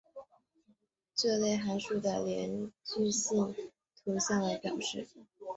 这类函数的连续性可以用直角坐标系中的图像来表示。